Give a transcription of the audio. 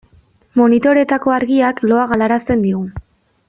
Monitoreetako argiak loa galarazten digu.